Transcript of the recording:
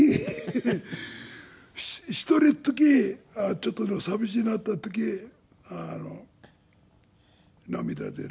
一人の時ちょっと寂しくなった時涙出るんですが。